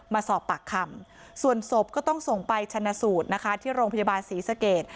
มาสอบปากคำส่วนศพก็ต้องส่งไปชนะสูตรนะคะที่โรงพยาบาลศรีสเกต